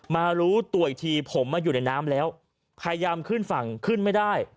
รู้ตัวอีกทีผมมาอยู่ในน้ำแล้วพยายามขึ้นฝั่งขึ้นไม่ได้